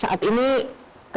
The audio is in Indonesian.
kapasitas terminal warna bir wishes